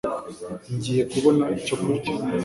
ngiye kubona icyo kurya